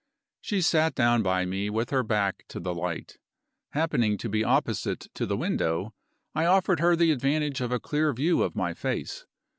She sat down by me with her back to the light. Happening to be opposite to the window, I offered her the advantage of a clear view of my face.